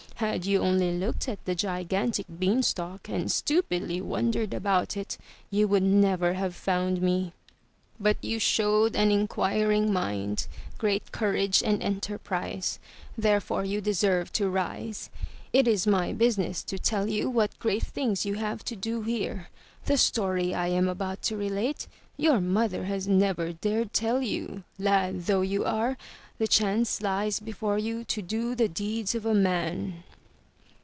Had you only looked at the gigantic beanstalk and stupidly wondered about it, you would never have found me. But you showed an inquiring 374 UP ONE PAIR OF STAIRS mind, great courage and enterprise, therefore you deserve to rise. It is my business to tell you what great things you have to do here. The story I am about to relate, your mother has never dared tell you. Lad though you are, the chance lies before you to do the deeds of a man."